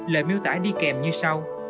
lời miêu tả đi kèm như sau